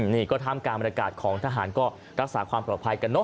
นี่ก็ท่ามกลางบรรยากาศของทหารก็รักษาความปลอดภัยกันเนอ